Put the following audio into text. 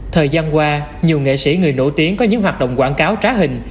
thời gian qua nhiều nghệ sĩ người nổi tiếng có những hoạt động quảng cáo trá hình